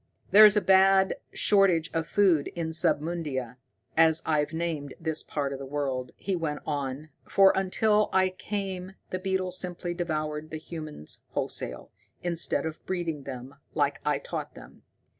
"There's a bad shortage of food in Submundia, as I've named this part of the world," he went on, "for until I came the beetles simply devoured the humans wholesale, instead of breeding them, like I taught them.